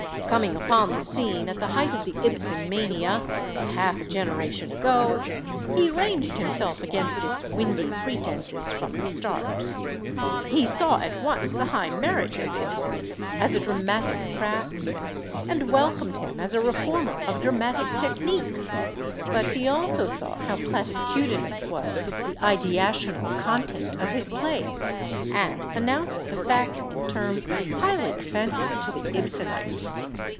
Coming upon the scene at the height of the Ibsen mania of half a generation ago, he ranged himself against its windy pretenses from the start. He saw at once the high merit of Ibsen as a dramatic craftsman and welcomed him as a reformer of dramatic technique, but he also saw how platitudinous was the ideational content of his plays and announced the fact in terms highly offensive to the Ibsenites....